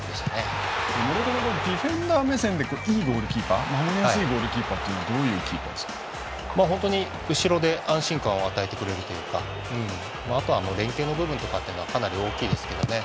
ディフェンダー目線でいいゴールキーパー難しいゴールキーパーというのは本当に後ろで安心感を与えてくれるというかあとは連携の部分とかというのはかなり大きいですけどね。